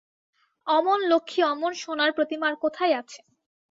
অমন লক্ষ্মী অমন সােনার প্রতিমা আর কোথায় আছে!